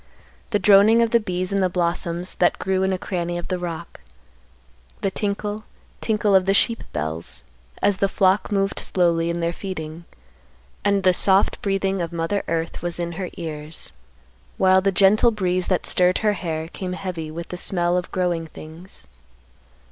The droning of the bees in the blossoms that grew in a cranny of the rock; the tinkle, tinkle of the sheep bells, as the flock moved slowly in their feeding; and the soft breathing of Mother Earth was in her ears; while the gentle breeze that stirred her hair came heavy with the smell of growing things.